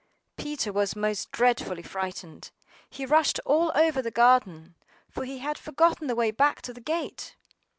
PETER was most dreadfully frightened; he rushed all over the garden, for he had forgotten the way back to the gate.